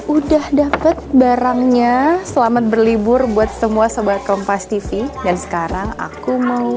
udah dapet barangnya selamat berlibur buat semua sobat kompas tv dan sekarang aku mau